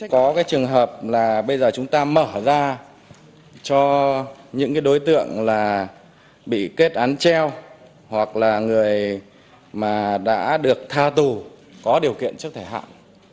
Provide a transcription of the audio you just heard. có cái trường hợp là bây giờ chúng ta mở ra cho những cái đối tượng là bị kết án treo hoặc là người mà đã được tha tù có điều kiện trước thời hạn